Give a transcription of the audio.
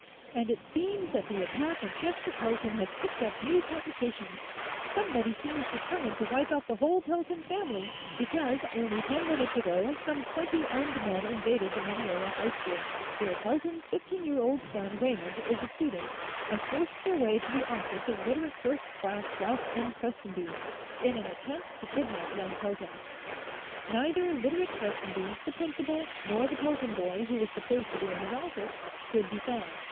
"... And it seems that the attack on Chester Pelton has picked up new complications; somebody seems determined to wipe out the whole Pelton family, because, only ten minutes ago, some twenty armed men invaded the Mineola High School, where Pelton's fifteen year old son, Raymond, is a student, and forced their way to the office of Literate First Class Ralph N. Prestonby, in an attempt to kidnap young Pelton. Neither Literate Prestonby, the principal, nor the Pelton boy, who was supposed to be in his office, could be found.